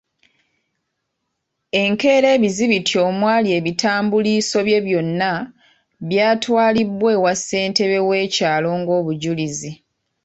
Enkeera ebizibiti omwali ebitambuliiso bye byonna byatwalibwa ewa ssentebe w'ekyalo ng'obujulizi.